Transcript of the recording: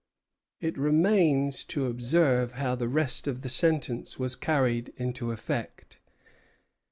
It remains to observe how the rest of the sentence was carried into effect.